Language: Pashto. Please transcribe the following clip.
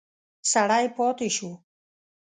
سړی پاتې شو.